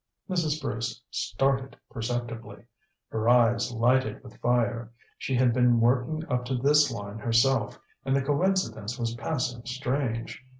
Mrs. Bruce started perceptibly. Her eyes lighted with fire. She had been working up to this line herself, and the coincidence was passing strange.